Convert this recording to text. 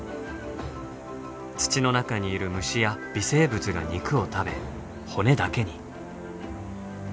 土の中にいる虫や微生物が肉を食べ骨だけに。